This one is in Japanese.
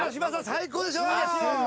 最高でしょう。